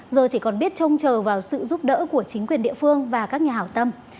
giờ chỉ còn biết trông chờ vào sự giúp đỡ của chính quyền địa phương và các nhà hảo tâm